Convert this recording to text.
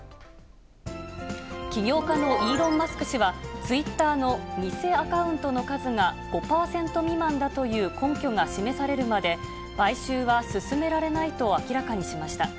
起業家のイーロン・マスク氏は、ツイッターの偽アカウントの数が５％未満だという根拠が示されるまで、買収は進められないと明らかにしました。